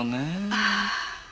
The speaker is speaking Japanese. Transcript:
ああ。